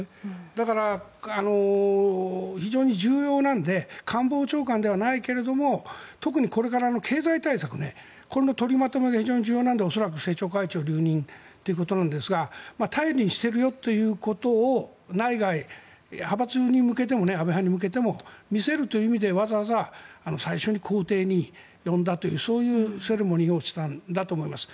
だから非常に重要なので官房長官ではないけれども特にこれから、経済対策これの取りまとめが非常に重要なので恐らく、政調会長留任ということなんですが頼りにしてるよと内外、派閥に向けても安倍派に向けても見せるという意味でわざわざ最初に公邸に呼んだというそういうセレモニーをしたんだと思います。